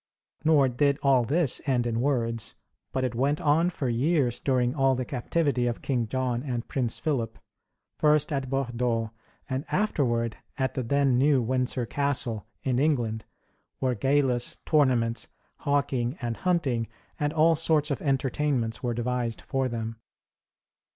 '" Nor did all this end in words, but it went on for years during all the captivity of King John and Prince Philip, first at Bordeaux and afterward at the then new Windsor Castle, in England, where galas, tournaments, hawking and hunting, and all sorts of entertainments were devised for them.